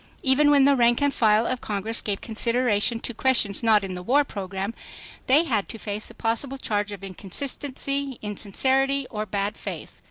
Even when the rank and file of Congress gave consideration to questions not in the war program, they had to face a possible charge of inconsistency, insincerity or bad faith.